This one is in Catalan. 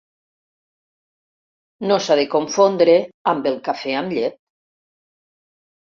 No s'ha de confondre amb el cafè amb llet.